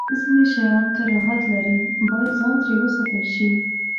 ځینې شیان کراهت لري، باید ځان ترې وساتل شی.